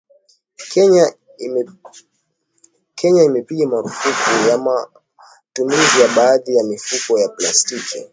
Kenya imepiga marufuku ya matumizi ya baadhi ya mifuko ya plastiki